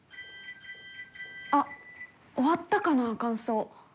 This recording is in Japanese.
あっ終わったかな乾燥。